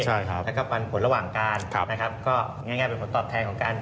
ใช่ครับแล้วก็ปันผลระหว่างการครับนะครับก็ง่ายเป็นผลตอบแทนของการ